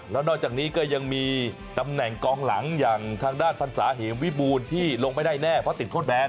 แล้วนอกจากนี้ก็ยังมีตำแหน่งกองหลังอย่างทางด้านพันศาเหมวิบูรณ์ที่ลงไม่ได้แน่เพราะติดโทษแบน